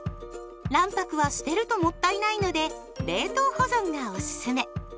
卵白は捨てるともったいないので冷凍保存がおすすめ。